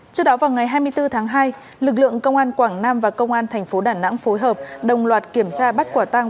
trước đó vào ngày hai mươi bốn tháng hai lực lượng công an quảng nam và công an thành phố đà nẵng phối hợp đồng loạt kiểm tra bắt quả tăng